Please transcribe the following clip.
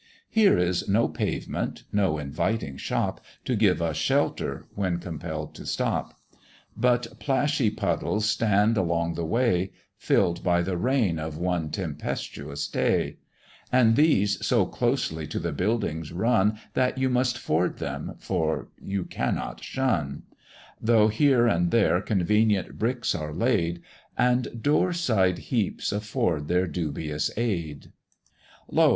Here is no pavement, no inviting shop, To give us shelter when compell'd to stop; But plashy puddles stand along the way, Fill'd by the rain of one tempestuous day; And these so closely to the buildings run, That you must ford them, for you cannot shun; Though here and there convenient bricks are laid And door side heaps afford tweir dubious aid, Lo!